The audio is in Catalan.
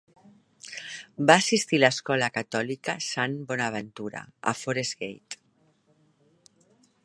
Va assistir a l'escola catòlica Saint Bonaventure, a Forest Gate.